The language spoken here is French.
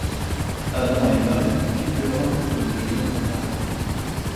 Adam et Mary vivent leur amour comme de jeunes contemporains.